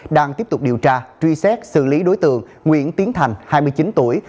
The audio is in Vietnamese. đang tiếp tục điều tra truy xét xử lý đối tượng nguyễn tiến thành hai mươi chín tuổi